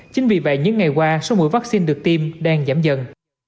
chính vì vậy những ngày qua số mũi vaccine được tiêm đang giảm dần